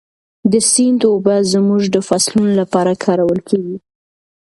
د سیند اوبه زموږ د فصلونو لپاره کارول کېږي.